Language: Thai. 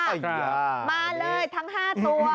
อัยยยยยยยยยยยมาเลยทั้ง๕ตัว